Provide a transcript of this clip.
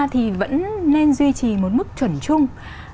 thì vẫn nên duy trì một mức chuẩn chung